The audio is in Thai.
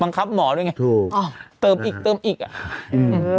๔๐บังคับหมอด้วยไงอ๋อเติมอีกเติมอีกอ่ะ